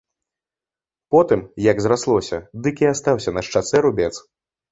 Потым, як зраслося, дык і астаўся на шчацэ рубец.